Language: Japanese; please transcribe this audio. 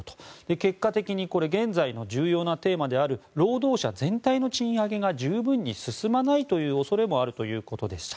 結果的に現在の重要なテーマである労働者全体の賃上げが十分に進まないという恐れもあるということでした。